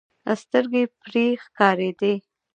سترګې پرې ښکارېدې.